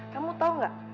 kamu tau gak